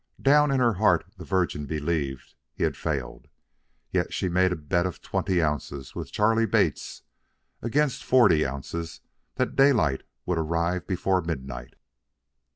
Down in her heart the Virgin believed he had failed, yet she made a bet of twenty ounces with Charley Bates, against forty ounces, that Daylight would arrive before midnight.